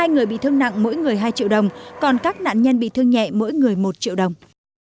hai người bị thương nặng mỗi người hai triệu đồng còn các nạn nhân bị thương nhẹ mỗi người một triệu đồng